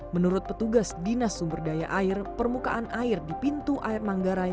menurut petugas dinas sumber daya air permukaan air di pintu air manggarai